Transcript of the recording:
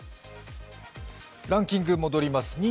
ランキング、戻ります。